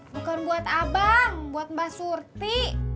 bukan buat abang buat mbak surti